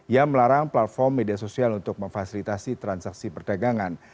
yang melarang platform media sosial untuk memfasilitasi transaksi perdagangan